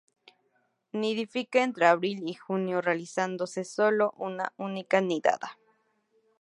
Nidifica entre abril y junio, realizando solo una única nidada.